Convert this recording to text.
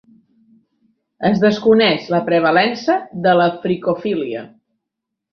Es desconeix la prevalença de la fricofília.